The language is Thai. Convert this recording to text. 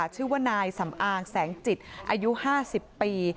ชื่อว่านายสำอางแสงจิตอายุ๕๐ปี